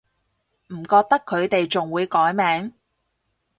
唔覺得佢哋仲會改名